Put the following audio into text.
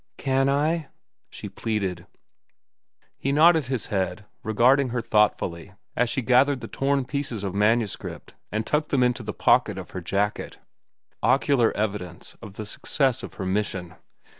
"Can I?" she pleaded. He nodded his head, regarding her thoughtfully as she gathered the torn pieces of manuscript and tucked them into the pocket of her jacket—ocular evidence of the success of her mission.